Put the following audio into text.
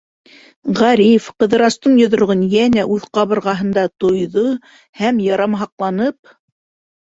Ғариф Ҡыҙырастың йоҙроғон йәнә үҙ ҡабырғаһында тойҙо һәм, ярамһаҡланып: